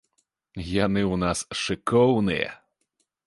Яны ў нас шыкоўныя.